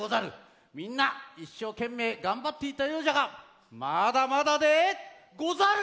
みんないっしょうけんめいがんばっていたようじゃがまだまだでござる！